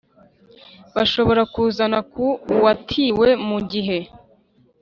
Bashobora kuzana ku uwatiwe mu gihe